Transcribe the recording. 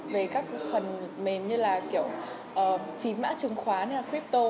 về các phần mềm như là kiểu phí mã trừng khóa hay là crypto